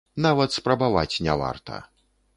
Нават спрабаваць не варта.